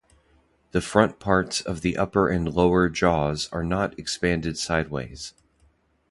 The front parts of the upper and lower jaws are not expanded sideways.